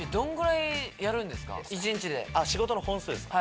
⁉仕事の本数ですか？